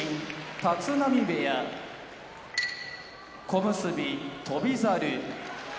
立浪部屋小結・翔猿